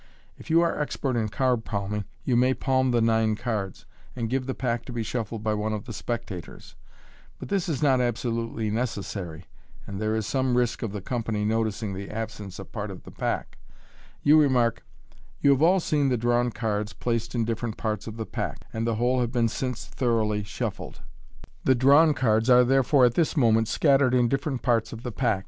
If you are expert in card palming, you may palm the nine cards, and give the pack to be shuffled by one of the spectators j but this is not absolutely necessary, and there is some risk of the company noticing the absence of part of the pack. You remark, " You have all seen the drawn cards placed in different parts of the pack, *nd the whole have been since thoroughly shuffled. The drawn loo MODERN MA GIC. cards are therefore at this moment scattered So different parts of the pack.